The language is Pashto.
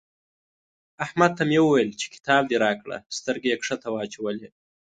احمد ته مې وويل چې کتاب دې راکړه؛ سترګې يې کښته واچولې.